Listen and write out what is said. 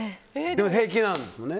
でも平気なんですよね。